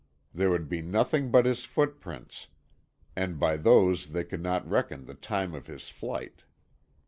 There would be nothing but his foot prints, and by those they could not reckon the time of his flight.